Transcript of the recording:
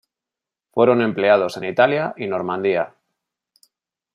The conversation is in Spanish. Fueron empleados en Italia y Normandía.